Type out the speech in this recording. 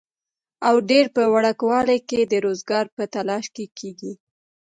او ډېر پۀ وړوکوالي کښې د روزګار پۀ تالاش کښې